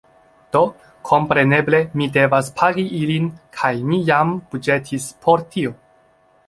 Do, kompreneble mi devas pagi ilin kaj ni jam buĝetis por tio